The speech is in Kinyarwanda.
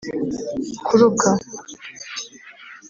kuruka